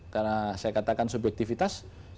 karena saya katakan subjektifitas